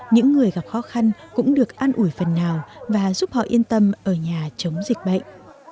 những người gặp khó khăn cũng được an ủi phần nào và giúp họ yên tâm ở nhà chống dịch bệnh